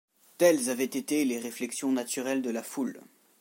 Telles avaient été les réflexions naturelles de la foule.